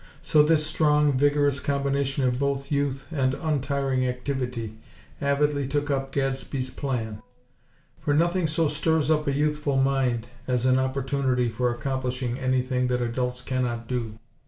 So this strong, vigorous combination of both youth and untiring activity, avidly took up Gadsby's plan; for nothing so stirs up a youthful mind as an opportunity for accomplishing anything that adults cannot do.